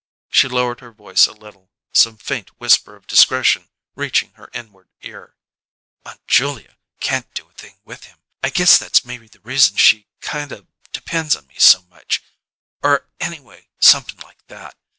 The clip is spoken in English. She lowered her voice a little, some faint whisper of discretion reaching her inward ear. "Aunt Julia can't do a thing with him. I guess that's maybe the reason she kind of depen's on me so much; or anyway somep'n like that.